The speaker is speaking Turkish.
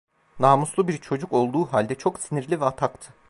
Namuslu bir çocuk olduğu halde çok sinirli ve ataktı.